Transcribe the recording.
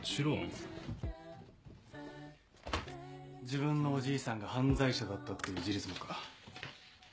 自分のおじいさんが犯罪者だったっていう事実もか？